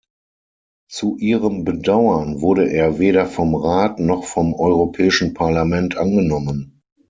Zu ihrem Bedauern wurde er weder vom Rat noch vom Europäischen Parlament angenommen.